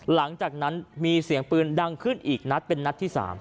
หลังจากนั้นมีเสียงปืนดังขึ้นอีกนัดเป็นนัดที่๓